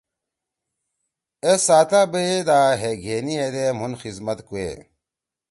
ایس ساتا بَیَے دا ہے گھینی ہیدے مُھن خیِزمت کوئے۔